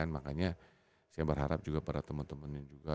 makanya saya berharap juga para teman teman juga